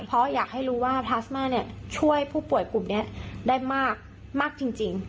เพราะอยากให้รู้ว่าพลาสมาเนี่ยช่วยผู้ป่วยกลุ่มนี้ได้มากจริง